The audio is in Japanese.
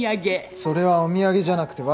それはお土産じゃなくて賄賂だ。